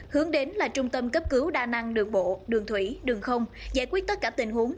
hướng đến là trung tâm cấp cứu đa năng đường bộ đường thủy đường không giải quyết tất cả tình huống